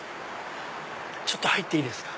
ちょっと入っていいですか？